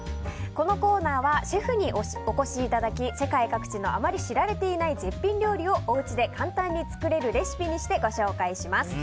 このコーナーはシェフにお越しいただき世界各地のあまり知られていない絶品料理をお家で簡単に作れるレシピにしてご紹介します。